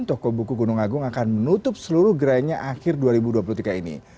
toko buku gunung agung akan menutup seluruh gerainya akhir dua ribu dua puluh tiga ini